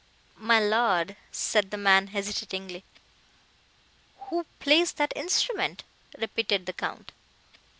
"My lord!" said the man, hesitatingly. "Who plays that instrument?" repeated the Count.